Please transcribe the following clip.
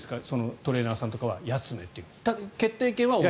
トレーナーさんとかは休めって。